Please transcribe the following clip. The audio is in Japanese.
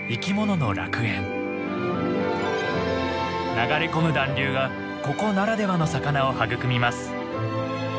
流れ込む暖流がここならではの魚を育みます。